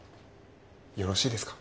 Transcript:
よろしいですか？